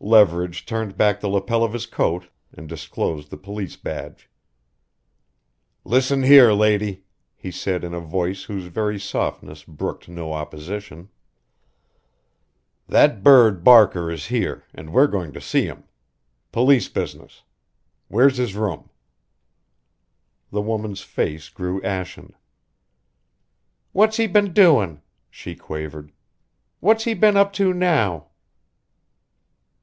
Leverage turned back the lapel of his coat and disclosed the police badge. "Listen here, lady," he said in a voice whose very softness brooked no opposition; "that bird Barker is here, and we're going to see him. Police business! Where's his room?" The woman's face grew ashen. "What's he been doin'?" she quavered. "What's he been up to now?"